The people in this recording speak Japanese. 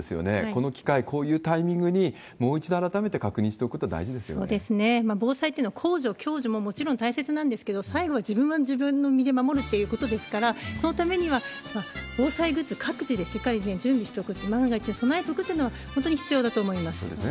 この機会、こういうタイミングにもう一度改めて確認しておくこと防災っていうのは公助、共助ももちろん大切なんですけど、最後は自分は自分の身で守るってことですから、そのためには防災グッズ、各自でしっかり準備しておくこと、万が一に備えとくってことが、本当に必要だと思います。